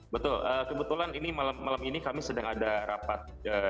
betul kebetulan ini malam ini kami sedang ada rapat